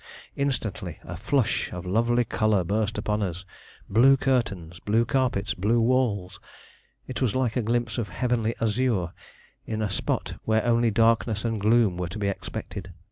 Instantly a flush of lovely color burst upon us. Blue curtains, blue carpets, blue walls. It was like a glimpse of heavenly azure in a spot where only darkness and gloom were to be expected.